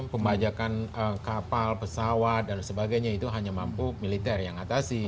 pembajakan kapal pesawat dan sebagainya itu hanya mampu militer yang atasi